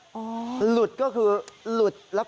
แล้วก็เจ้าหน้าที่พยายามที่จะพานักท่องเที่ยวกลับเข้าฝั่งให้ได้